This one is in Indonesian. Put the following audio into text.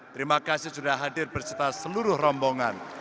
terima kasih sudah hadir berserta seluruh rombongan